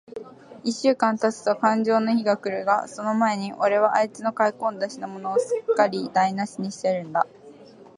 一週間たつとかんじょうの日が来るが、その前に、おれはあいつの買い込んだ品物を、すっかりだいなしにしてやるんだ。